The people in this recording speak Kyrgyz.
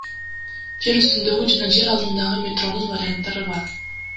Жер үстүндөгү жана жер алдындагы метронун варианттары бар.